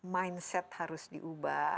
mindset harus diubah